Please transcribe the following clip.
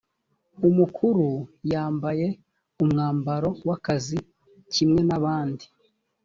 umukuru yambaye umwambaro w’akazi kimwe n’abandi